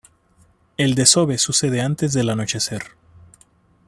El desove sucede antes del anochecer.